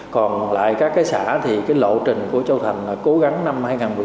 còn lại các cái xã thì cái lộ trình của châu thành là cố gắng năm hai nghìn một mươi chín